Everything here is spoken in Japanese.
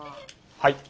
はい。